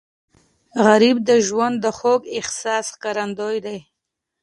غریب د ژوند د خوږ احساس ښکارندوی دی